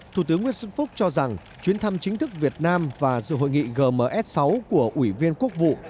thủ tướng nguyễn xuân phúc cho rằng chuyến thăm chính thức việt nam và dự hội nghị gms sáu của ủy viên quốc vụ